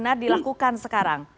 benar benar dilakukan sekarang